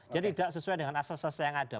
jadi tidak sesuai dengan asal asal yang ada